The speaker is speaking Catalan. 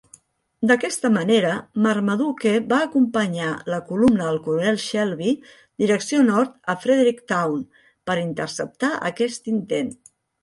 D'aquesta manera, Marmaduke va acompanyar la columna del Coronel Shelby direcció nord a Fredericktown per interceptar aquest intent.